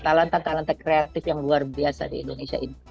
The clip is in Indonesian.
talenta talenta kreatif yang luar biasa di indonesia ini